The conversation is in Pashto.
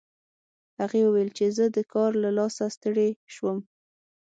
هغې وویل چې زه د کار له لاسه ستړې شوم